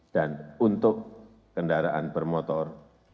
dan untuk kendaraan bermotor